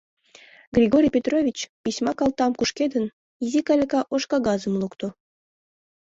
Григорий Петрович, письма калтам кушкедын, изи каляка ош кагазым лукто.